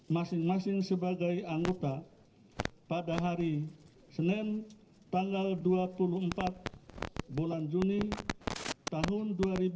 masing masing sebagai anggota pada hari senin tanggal dua puluh empat bulan juni tahun dua ribu dua puluh